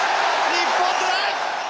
日本トライ！